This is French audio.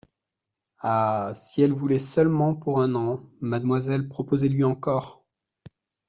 Ah ! si elle voulait seulement pour un an … Mademoiselle, proposez-lui encore.